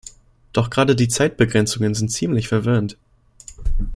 Doch gerade die Zeitbegrenzungen sind ziemlich verwirrend.